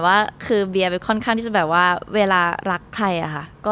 ว่าคือเบียร์ไปค่อนข้างที่จะแบบว่าเวลารักใครอะค่ะ